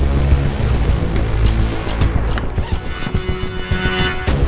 kok pernah kemana ya